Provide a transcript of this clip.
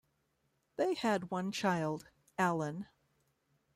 They had one child: Allan.